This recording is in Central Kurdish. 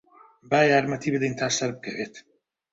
با یارمەتیی بدەین تا سەربکەوێت.